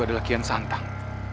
adalah kian santang